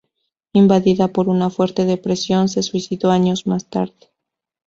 Invadida por una fuerte depresión se suicidó años más tarde.